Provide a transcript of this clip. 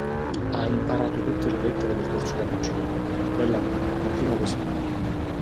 Hai imparato tutte le lettere del corso da principiante. Bel lavoro, continua così!